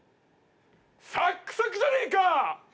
サックサクじゃねえか！